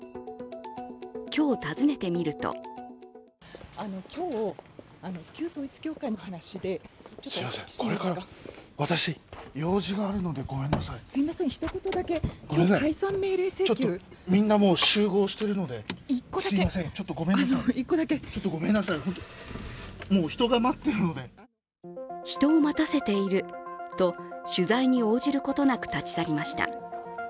今日、訪ねてみると人を待たせていると、取材に応じることなく立ち去りました。